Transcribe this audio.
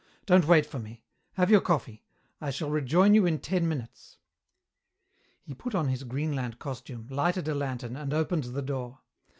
Don't wait for me. Have your coffee. I shall rejoin you in ten minutes." He put on his Greenland costume, lighted a lantern, and opened the door.